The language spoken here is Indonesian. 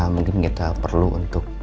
mungkin kita perlu untuk